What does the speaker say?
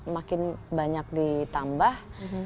makin banyak ditambah